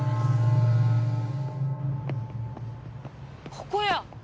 ここや。